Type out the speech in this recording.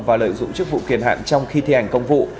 và lợi dụng chức vụ kiền hạn trong khi thi hành công vụ